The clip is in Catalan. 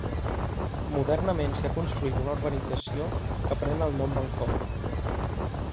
Modernament s'hi ha construït una urbanització que pren el nom del coll.